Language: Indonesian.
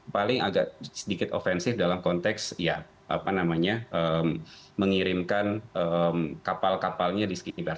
paling agak sedikit ofensif dalam konteks mengirimkan kapal kapalnya di sekitar